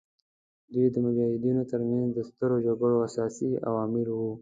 دوی د مجاهدینو تر منځ د سترو جګړو اساسي عوامل وو.